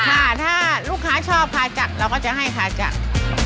ค่ะถ้าลูกค้าชอบคาจักรเราก็จะให้คาจักร